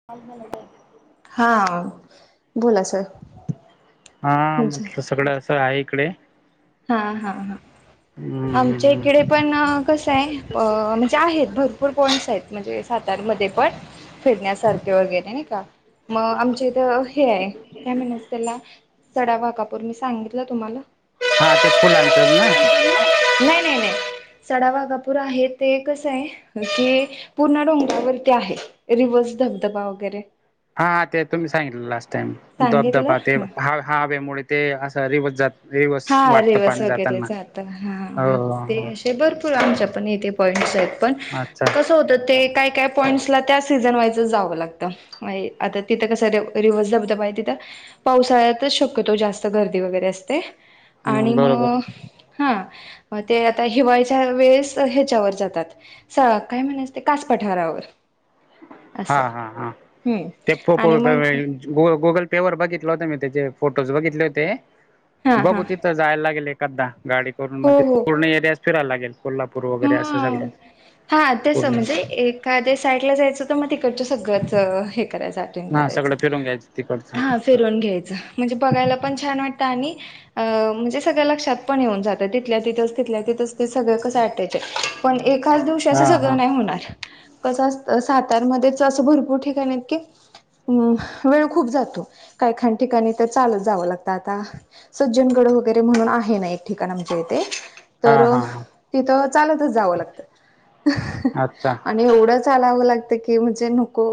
[unintelligible] हा, बोला सर. हा तुमचं म्हटलं सगळं असं आहे इकडे. हा हा हा. अं. आमच्या इकडे पण कसं आहे, म्हणजे आहेत भरपूर पॉइंट्स आहेत म्हणजे. सातारमध्ये पण. फिरण्यासारखं वगैरे नाही का, मग आमच्या इथे हे आहे, काय म्हणायचं त्याला? [unintelligible] मी सांगितलं तुम्हाला? हा ते फुलांचंच ना? नाही नाही नाही. सडावाघापूर आहे ते कसं आहे, ते पूर्ण डोंगरावरती आहे. रिवर्स धबधबा वगैरे. हा हा. ते तुम्ही सांगितलं लास्ट टाइम धबधबा ते सांगितलं हा हवेमुळे ते असं रिव्हर्स जातो. हा रिवस वगैरे जात हा, मग ते हो असे भरपूर पूर आमच्या पण इथे पॉईंट्स आहेत. पण अच्छा. कसं होतं ते काय काय पॉईंट्सला त्या सीझन वाईजच जावं लागतं. आहे आत्ता तिथं कसं रिव्हर्स धबधबा हाय तिथं पावसाळ्यातच शक्यतो जास्त गर्दी वगैरे असते. आणि म बरोबर हा अ ते आता हिवाळच्या वेळेस ह्याच्यावर जातात. सावा काय म्हणायचां ते कास पठारावर. हा असं हा हा. हम्म ते फोटो आणि मग [unintelligible] ग-गुगल पेवर बघितलं होत मी त्याचे फोटोज बघितले होते. हा हा बघू ति जायला लागेल एखादा, गाडी करून हो हो तिथं पूर्ण एरियात फिरायला लागेल. कोल्हापूर वगैरे असं, चालतंय हा. सगळं पूर्ण. काय ते साईडला जायचं तर मग, तिकडचं सगळंच हे करायचाय. हा सगळं फिरून घ्यायचं [unintelligible] हां. तिकडचं फिरून घ्यायच म्हणजे, बघायला पण छान वाटतं आणि. अ म्हणजे सगळं लक्षात पण येऊन जातं तिथल्या तिथेच तिथल्या तिथंच ते सगळं कसं अट्या चे पण एकाच दिवशी असं हा हा सगळं नाही होणार. कसं असत सातार्यामध्येध्येच असं भरपूर ठिकाण आहेत की अम वेळ खूप जातो. काय काय ठिकाणी तर चालत जावं लागतं आता. सज्जनगड वगैरे म्हणून आहे ना एक ठिकाण आमच्या इथे. हा तर हा हा तिथं चालतच जावं लागत अच्छा आणि एवढं चालावं लागतं की म्हणजे, नको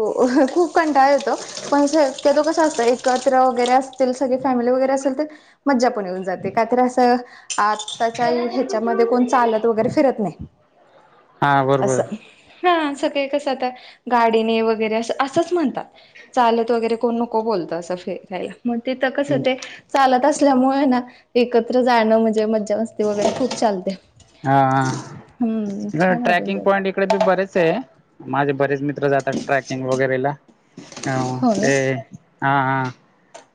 खूप कंटाळ येतो पण शक्यतो कसं असतंय. एकत्र वगैरे असतील, सगळी फॅमिली वगैरे असेल तर मजा पण ये ते काय तरी असं आत्ताच्या याच्यामध्ये, कोण चालत वगैरे फिरत हा असं. बरोबर हा सगळे कसं, आ तर गाडीने वगैरे असंच म्हणतात. चालत वगैरे कोण नको बोलत असं फिरायला मग तिथं कसं ते. चालत असल्यामुळे ना, एकत्र जाणं म्हणजे मज्जा, मस्ती वगैरे खूप चालते. हा हम्म हं छान वाटून ट्रॅकिंग जात पॉइंट एक इकडे बी बरेच आहे, माझे बरेच मित्र जातात. ट्रॅकिंग वगैरेला हा, हो ना ते हा हा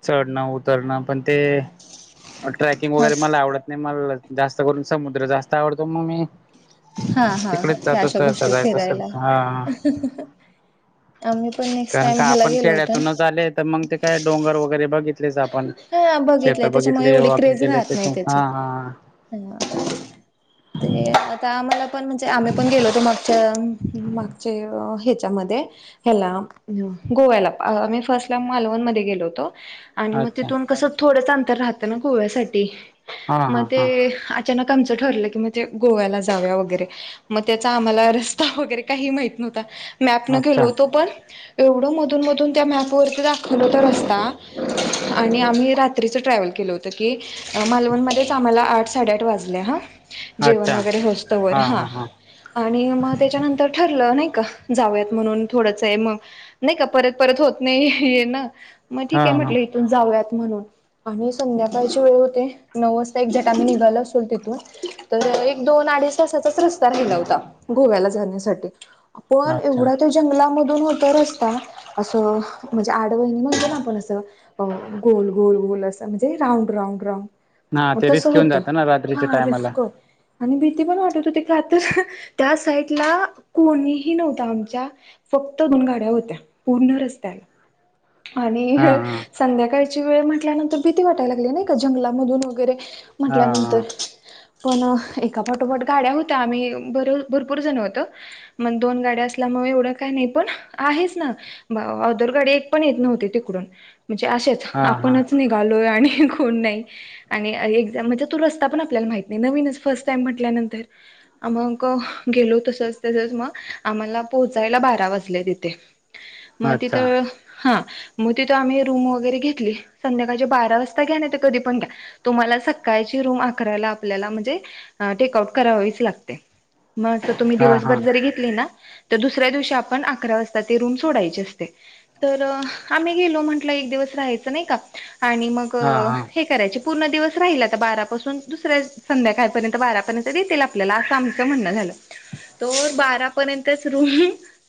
चढना उतरणं पण ते ट्रॅकिंग हा वगैरे मला आवडत नाही मला जास्त करून समुद्र जास्त आवडतो म मी हा हा तिकडेच ह्या जातो अशा सरसा गोष्टी जायचं असेल फिरायला. हा. आम्ही पण ए कारण का आपण खेड्यातूनच आले आहे तर मग ते काय डोंगर वगैरे बघितलेच आपण. हा शेत बघितलंय त्याच्यामुळे बघितले एवढी वॉकिंग क्रेज केले राहत नाही त्याच्या हा त्याची. हा ह ते आता आम्हाला पण म्हणजे, आम्ही पण गेलो होतो मागच्या. मागच्या हेच्या मध्ये, हेला गोव्याला आम्ही फर्स्ट ला, मालवण मध्ये गेलो होतो. आणि मग अच्छा तिथून कसं थोडंच अंतर राहतं ना गोव्यासाठी हा मग हा ते हा आ अचानक आमचं ठरलं की म्हणजे गोव्याला जाऊया वगैरे मग त्याचा आम्हाला रस्ता वगैरे काहीही माहित नव्हत. मॅप न गेलो अच्छा होतो पण एवढं मधून मधून त्या मॅप पूर्त दाखवला होता रस्ता आणि आम्ही रात्री असं ट्रॅव्हल केलं होतं, की मालवण मध्येच आम्हाला आठ, साडेआठ वाजले. हा. जेवण अच्छा वगैरे होऊस्तवर हा आणि मग त्याच्यानंतर तर ठरलं नाही का जाऊयात म्हणून थोडंच आहे मग नाही का परत परत होत नाही ये ना मग हा ठीक आहे हा म्हटलं इथून जाऊयात म्हणून आम्ही संध्याकाळची वेळ होते नऊ वाजता एकझाक्ट आम्ही निघालो असेल तिथून तर एक दोन अडीच तासाचाच रस्ता राहिला होता. गोव्याला जाण्यासाठी पण अच्छा एवढा तो जंगलामधून होता रस्ता असं म्हणजे, आडवळणी म्हणतो ना आपण असं. हो गोल गोल गोल असा म्हणजे राऊंड राऊंड राऊंड हा मग ते तसं रिस्क येऊन होतं जातं ना रात्रीच्या हा टायमाला रिस्क आणि भीती पण वाटत होती कातर त्या साईडला कोणीही नव्हता आमच्या फक्त दोन गाड्या होत्या पूर्ण रस्त्याला आणि हा हा संध्याकाळची वेळ म्हटल्यानंतर भीती वाटायला लागली नाही का जंगलामधून वगैरे हा म्हटल्यानंतर पण एका पाटोपाट गाड्या होत्या आम्ही बर भरपूर जण होतो. मग दोन गाड्या असल्यामुळे एवढं काय नाही पण आहेच ना. बा आँदर गाडी एक पण येत नव्हती तिकडून म्हणजे असेच हा हा हा आपणच निघ घालोय आणि कोण नाही आणि एक्झाम म्हणजे तो रस्ता पण आपल्याला माहित नाही नवीनच फर्स्ट टाइम म्हटल्यानंतर. [unintelligible] मग गेलो तसच तसच मग आम्हाला पोहोचायला बारा वाजले तिथे. मग अच्छा तिथं हा मग तिथ आम्ही रूम वगैरे घेतली. संध्याकाळच्या बारा वाजता घ्या. नाहीतर मग, कधी पण घ्या. तुम्हाला सकाळची रूम अकराला आपल्याला म्हणजे टेक आऊट करावीच लागते. मस्त तुम्ही हा हा दिवसभर जरी घेतली ना तर दुसऱ्या दिवशी आपण अकरा वाजता ती रूम सोडायची असते तर आम्ही गेलो म्हण कुठलाही एक दिवस राहायचं नाही का आणि मग हा हा हा ते करायचे पूर्ण दिवस राहील आता बारापासून दुसऱ्या संध्याकाळपर्यंत बारापर्यंत देतील आपल्याला. आमचं म्हणणं झालं ता तो बारापर्यंतच रूम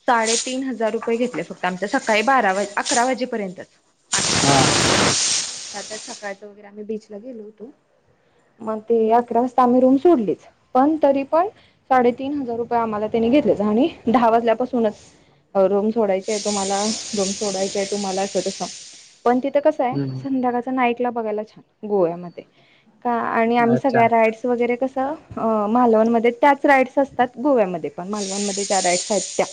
साडेतीन हजार रुपये घेतले फक्त आमचं सकाळी बारा, अकरा वाजेपर्यंत. हा हा. आतच सकाळचं वगैरे आम्ही बीचला गेलो होतो. मग ते अकरा वाजता आम्ही रूम सोडलीच पण तरी पण साडेतीन हजार रुपये आम्हाला त्यांनी घेतलेच आणि दहा वाजल्यापासूनच अ रूम सोडायचा आहे तुम्हाला रूम सोडायची आहे तुम्हाला सतत सांग पण तिथं कसं आहे हम्म संध्याकाळचा नाईटला बघायला छान असत गोव्यामध्ये. का आणि आम्ही अच्छा सगळ्या राईड्स वगैरे कसं अ मालवणमध्ये त्याच राइड्स असतात गोव्यामध्ये पण मालवणमध्ये ज्या राइड्स आहेत त्या.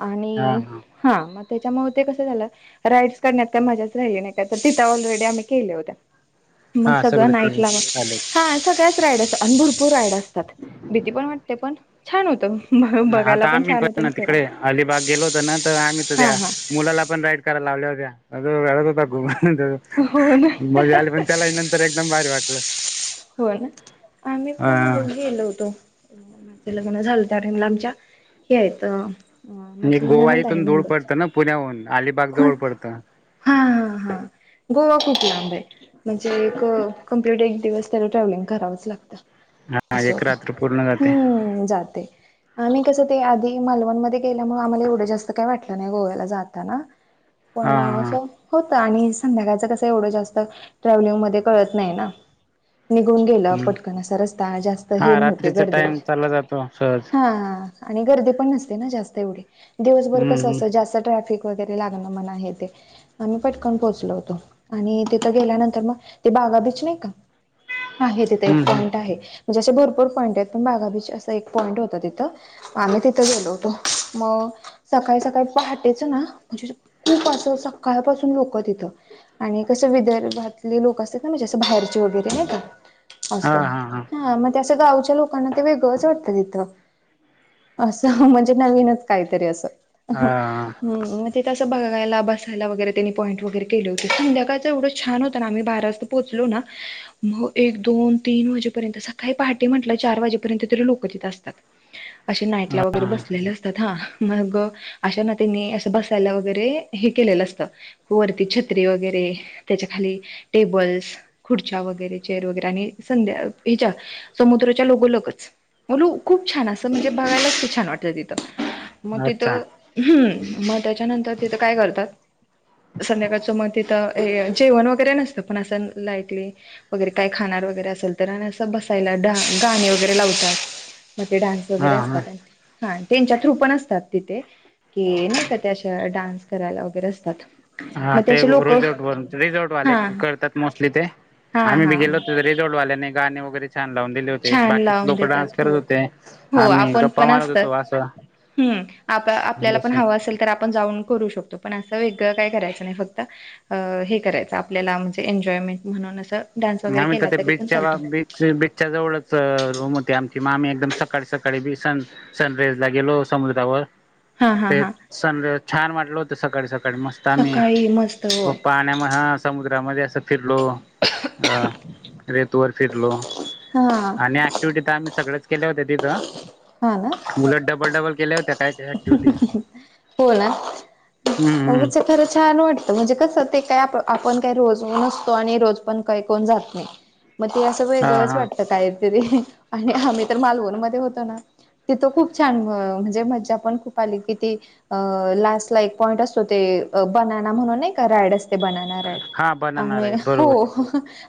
आणि हा मग त्याच्यामुळे ते कस झालं राईड्स करण्यात काय मजाच राहिली नाही का तर तित ऑलरेडी आम्ही केल्या होत्या. मग हा सगळं ते नाईटला चालेल हां. सगळ्याच राईड असतं आणि भुरपूर राईड असतात, भीती पण वाटते पण छान होतं. बघायला आता आम्ही छान होतं पण ना आणि तिकडे, फिरायला अलिबाग गेलो होतो ना तर आम्ही तर हा त्या. हा मुलाला पण राईड करायला लावल्या होत्या, अजून रडत होता हो ना खूप. मजा आली पण त्याला नंतर एकदम भारी वाटलं. होय ना आम्ही पण गेलो होतो. [unintelligible] यायच. नी गोवा इथून दूर पडता ना पुण्याहून अलिबाग जवळ खूप पडतं. हा ह हा गोवा खूप लांब आहे म्हणजे एक कमप्लिट एक दिवस त्याला ट्रॅव्हलिंग करावच लागत, हा असं एक होते रात्र पूर्ण जाते हम्म... जाते. आम्ही कसं ते आधी मालवणमध्ये गेल्यामुळे, आम्हाला एवढे जास्त काय वाटलं नाही गोव्याला जाताना. हा पण हा असं होत आणि संध्याकाळचं कसं, एवढं जास्त ट्रॅव्हलिंग मध्ये कळत नाही ना. निघून गेलं हम्म पटकन असा रस्ता जास्त, हा हे नव्हते रात्रीचा गर्दी टाइम वगैरे चालला जातो सहज हां.. आणि गर्दी पण नसते ना जास्त एवढी, दिवसभर हम्म कस हम्म असतं जास्त ट्रॅफिक. वगैरे लागणं मना हे ते. आम्ही पटकन पोहोचलो होतो आणि तिथं गेल्यानंतर मग ते बागा बीच नाही का? आहे तिथं एक हम्म हम्म पॉईंट आहे म्हणजे असे भरपूर पॉईंट आहेत, पण बागा बीच असं एक पॉईंट होतं तिथं. आम्ही तिथं गेलो, होतो मग. सकाळी सकाळी पहाटेचं ना म्हणजे, खूप असं सकाळपासून लोक तिथं. आणि कसं विदर्भातले लोक असतात ना, म्हणजे असं बाहेरचे वगैरे नाही का. असं हा मग ते असं गावच्या लोकांना ते, वेगळंच वाटतं तिथं. असं म्हणजे नवीनच काहीतरी असं ह हा हम्म तिथं बघायला बसायला वगैरे त्यांनी पॉईंट वगैरे केले होते. संध्याकाळच एवढं छान होतं ना आम्ही बारा वाजता. पोचलो ना मग. एक दोन तीन वाजेपर्यंत सकाळी पहाटे म्हटलं चार वाजेपर्यंत तरी लोक तिथे असतात. असे नाईटला वगैरे, हा बसलेले असतात हा. मग अशा ना त्यानी असं बसायला वगैरे, हे केलेलं असतं. वरती छत्री वगैरे, त्याच्या खाली टेबल्स खुर्च्या वगैरे. चेर वगैरे आणि संध्या हिच्या समुद्रच्या लगोलच. म्हणून खूप छान असं म्हणजे बघायलाच छान वाटत तिथं मग अच्छा तिथं हम्म. मग त्याच्यानंतर तिथं काय करतात. संध्याकाळचं मग तिथं हे जेवण वगैरे नसतं, पण असं लाईटली. वगैरे काय खाणार वगैरे असेल तर, आणि असं बसायला गाणे वगैरे लावत्यात मग ते डान्स. वगैरे हा हा असतात. हां त्यांच्या थ्रू पण असतात तिथे कि नाही का, त्या अशा डान्स करायला वगैरे असतात. हा मग ते असे लोक रिझोर्ट व रिझोर्ट वाले हा करतात, मोस्टली ते हा आम्ही बी हा गेलो मग होतो ते. रिसॉर्ट वाल्याने गाणी वगैरे. छान लावून दिले होते छान बाकीचे लावून लोक डान्स देतात करत हो. होते आम्ही गप्पा मारत होतो असं हम्. आता आपल्याला पण जसं हवं असेल तर, आपण जाऊन करू शकतो. पण असं वेगळं काय करायच नाही फक्त अ हे करायचं आपल्याला म्हणजे एन्जॉयमेंट, म्हणून असं डान्स वगैरे केला तरी पण चालतो. बिचच्या जवळच रूम होती, आमची मामी एकदम सकाळी सकाळी बेसन. सनरेज ला गेलो समुद्रावर. हा हा ते हा सन छान वाटल होत सकाळी सकाळी मस्त आम्ही, सकाळी मस्त [unintelligible] होय हां. मग हा समुद्रामध्ये असं फिरलो. हा रेतवर फिरलो. हां. आणि ऍक्टिव्हिटी तर आम्ही सगळच केले होते तिथं हो ना. डलट डबल डबल केले, होते काय त्यात. हो ना हम्म आव हम्म चे खरं छान वाटतं म्हणजे कसं ते काय आप आपण काही रोज असं नसतो, आणि रोज पण काही कोण जात नाही. [inaudible] मग ते असं हा वेगळंच हा वाटत काहीतरी आणि, आम्ही तर मालवणमध्ये होतो ना. तिथं खूप छान म्हणजे मज्जा पण खूप आली कि ती अ लास्ट ला एक पॉईंट असतो ते बनाना म्हणून नाही का रायीड असते बनाना रायीड. हा बनाना आणी राईट हो बरोबर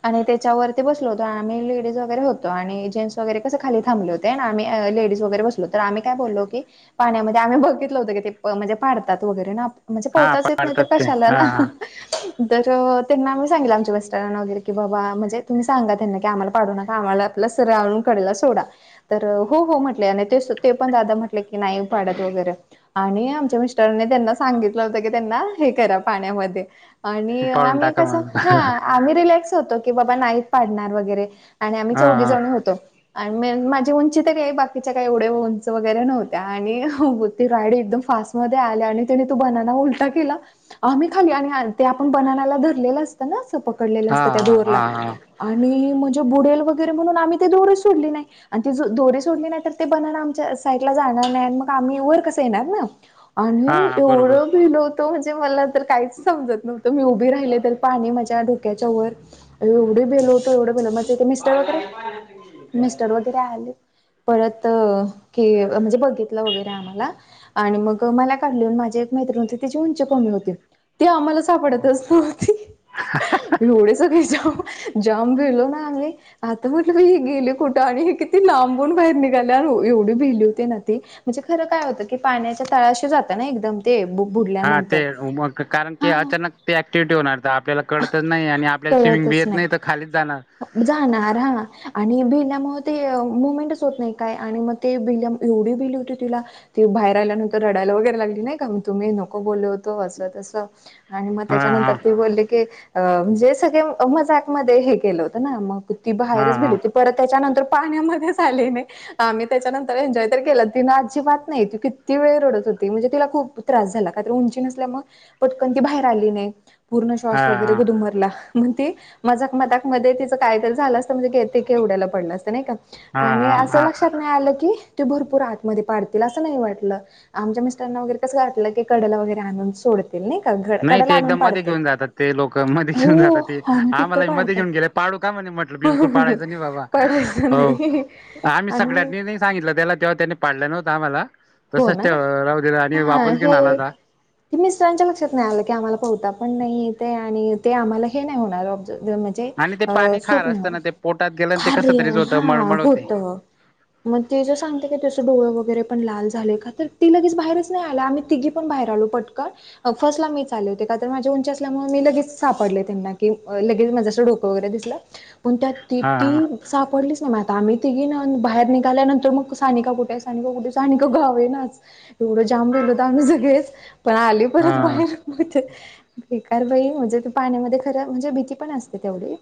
आणि त्याच्यावरती बसलो होतो आम्ही लेडीज वगैरे होतो आणि जेंट्स वगैरे कसे खाली थांबले होते. तिथे आहे ना आम्ही लेडीज वगैरे बसलो होतो, तर आम्ही काय बोललो की पाण्यामध्ये आम्ही बघितलं होत की ते म्हणजे पाडतात वगैरे ना म्हणजे हा पवताच येत नाही तर पाडतात ते कशाला ना‌. [unintelligible] त्याच्यावर त्यांना आमी सांगितलं आमच्या मिस्टरांना वगैरे की बाबा म्हणजे तुमी सांगा त्यांना की आमाला पाडू नका आमाला म्हणल सरळ कडेला आणून सोडा तर हो हो म्हटले आणि ते ते पण दादा म्हटले की नाई पाडत वगैरे आणि आमच्या मिस्टरांनी त्यांना सांगितलं होतं की त्यांना हे करा पाण्यामध्ये आणि पाडून आम्ही टाका कस मग हा आम्ही रिलॅक्स होतो की बाबा नाहीत पाडणार वगैरे आणि आम्ही हा चौघीजण होतो आणि मग माझी उंची तरी आहे का बाकीच्या काय एवढे उंच वगैरे न्हव आणि हं ते रायीड एकदम फास्ट मध्ये आले आणि त्याने तो बनाना उलटा केला. आम्ही खाली आणि आणि ते आपण बनानाला धरलेलं असतं ना असं पकडलेलं हा असतं त्या हा दोरला. हा हा आणि म्हणजे बुडेल वगैरे म्हणून आम्ही ते दोरीच सोडली नाय. आणि ती जो दोरी सोडली नाय तर ते बनाना आमच्या साईटला जा मग आम्ही वर कस येणार ना हा आम्ही हा बरोबर एवढं भिलो तो म्हणजे मला तर काहीच समजत नव्हतं मी उभी राहिले तर पाणी माझ्या डोक्याच्या वर. एवढं भिलोवतो एवढं भिलोवतो माझे तर मिस्टर वगैरे मिस्टर वगैरे आले पळत की अ म्हणजे बघितलं वगैरे आम्हाला आणि मग मला काढलं न माझी एक मैत्रिण होती तिची उंची कमी होती ती आम्हालाच सापडतच नव्हती. एवढे सगळे जाम जाम भीलो ना आम्ही. आता म्हटलं ग ही गेली कुठं आणि ही किती लांबून बाहेर निघाली एवढं बिलो ते ना ती म्हणजे खरं काय होत की पाण्याच्या तळाशी जात ना एकदम ते [unintelligible] हा ते उमक कारण की हा अचानक ते अँक्टिव्हटी होणार तर आपल्याला कळतच नाही आणि आपल्याला स्विमिंग बी येत नाही तर खालीच जाणार. जाणार हा आणि भिल्यामुळे ते मुमेंटच होत नाही काय आणि मग ते विल्यम एवढी भीली होती तिला ती बाहेर आल्यानंतर रडायला वगैरे लागली नाही का मी तुम्ही नको बोलत तो अस तस आणि मग हा त्याच्यानंतर हा ती बोलले कि कि अ म्हणजे सगळे मजाक मधे हे केलं होत ना मग ती हा बाहेरच हा भेली होती. परत त्याच्यानंतर पाण्यामध्येच आली नाही. आम्ही त्याच्यानंतर एन्जॉय तर केलं. तिनं अजीबात नाही, ती किती वेळ रडत होती. म्हणजे तिला खूप त्रास झाला का तर उंची नसल्यामूळ पटकन ती बाहेर आली नाही पूर्ण श्वास वगैरे हा गुदमरला म्हणती मजाक मजाकमध्ये तिचं काहीतरी झालं असतं म्हणजे तेे केवढ्याला पडलं असतं नाही का. आणि हा असं हा हा लक्षात नाही आलं की ते भरपूर आतमध्ये पाडतील असं नाही वाटलं. आमच्या मिस्टरांना वगैरे कसंवाटलं की कडेला वगैरे आणून सोडतील नाऐ का नाही कडेला ते आणून एकदम मध्ये पाडतील घेऊन जातात ते लोकमध्ये घेऊन हो जातात ते आणून तिथं आम्हालाही मध्ये पाडतात घेऊन गेले पाडू का म्हणे, म्हटलं बिलकुल पाडायचं नाही बाबा. पाडायचं हो नाही आम्ही आणि सगळ्यांनी नाही सांगितलं त्याला तेव्हा त्यानी पाडलं नव्हतं आम्हाला हो तसाच ना त्याव राहू दिला आणि हा वापस घेऊन आला हे ता मिस्टरांच्या लक्षात नाही आलं की आम्हाला पवता पण नाही येतय आणि ते आम्हाला हे नाही होणार ब् ते आणि अ पाणी खार स्वप्न असतं ना ते पोटात गेलं आणि ते कसं तरीच खरं होतं हा मळमळ होते होतं. मग ते जे सांगते का तस डोळे वगैरे पण लाल झाले का? तर ती लगेच बाहेरच नाही आली. आम्ही तिघी पण बाहेर आलो पटकन. फस्टला मीच आले होते. का? तर माझ्या उंची असल्या. मुळे मी लगेच सापडले. त्यांना की लगेच माझ डोकं वगैरे दिसलं,. पण त्या हा किती हा सापडलीच नाही म आम्ही तिघे बाहेर निघाल्यानंतर मग सानिका कुठे सानिका कुठे सानिका तर गावेनाच एवढं जाम भीलो होत आम्ही सगळेच पण आली परत हा बाहेर. बेकार भाई म्हणजे, तू पाण्यामध्ये खर म्हणजे भीती पण असते तेवढी‌.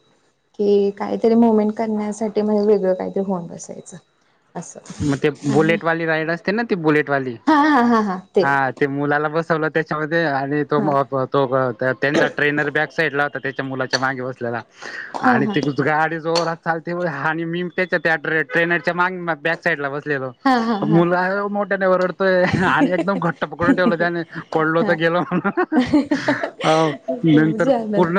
की काहीतरी मुवमेंट करण्यासाठी. म्हणे वेगळं काहीतरी होऊन बसायचं. असं मग, ते आणि बुलेट वाली रायडर्स. ना ती बुलेटवाली हा हा हा हा ते, मुलाला बसवलं त्याच्यामध्ये आणि तो. हा तो का त्यांचा ट्रेनर बॅक साईडला होता. त्याच्या मुलाच्या मागे बसलेला. हा आणि हा ती गाडी जोरात चालते. आणि मी म त्याच्या त्या ट्रेनरच्या मागे मग. बॅक साईड ला बसलोय बघ. हा हा हा. मुलं मोठ्यानं वरडतोय आणि, एकदम घट्ट पकडून ठेवलं त्याने पडलो तर हा गेलो. अ खूप नंतर छान. पूर्ण.